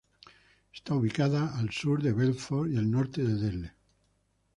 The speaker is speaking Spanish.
Está ubicada a al sur de Belfort y al norte de Delle.